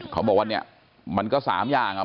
เขาบอกว่าเนี่ยมันก็๓อย่างอ่ะ